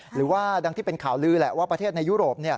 หรือว่าดังที่เป็นข่าวลือแหละว่าประเทศในยุโรป